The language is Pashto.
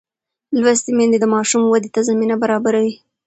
لوستې میندې د ماشوم ودې ته زمینه برابروي.